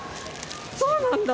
そうなんだ。